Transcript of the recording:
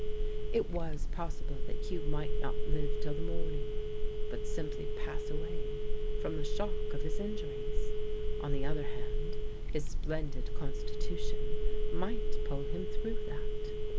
It was possible that Hugh might not live till the morning, but simply pass away from the shock of his injuries. On the other hand his splendid constitution might pull him through that.